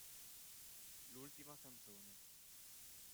L'ultima canzone